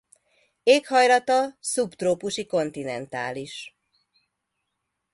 Éghajlata szubtrópusi kontinentális.